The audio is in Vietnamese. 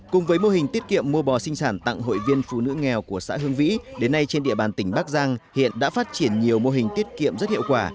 cùng với mô hình tiết kiệm mua bò sinh sản tặng hội viên phụ nữ nghèo của xã hương vĩ đến nay trên địa bàn tỉnh bắc giang hiện đã phát triển nhiều mô hình tiết kiệm rất hiệu quả